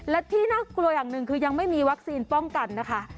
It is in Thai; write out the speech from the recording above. และที่น่ากลัวอย่างหนึ่งคือยังไม่มีวัคซีนป้องกันนะคะ